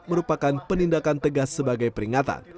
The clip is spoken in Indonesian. merupakan penindakan tegas sebagai peringatan